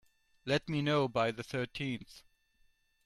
Let me know by the thirteenth.